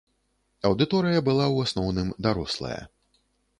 Аўдыторыя была ў асноўным дарослая.